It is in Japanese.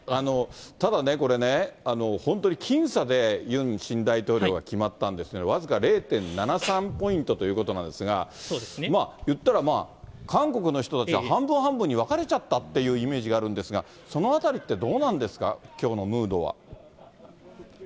ただね、これね、本当に僅差でユン新大統領は決まったんですね、僅か０．７３ポイントということなんですが、いったらまあ、韓国の人たちは半分半分に分かれちゃったっていうイメージがあるんですが、そのあたりってどうなんですか、きょうのムードは。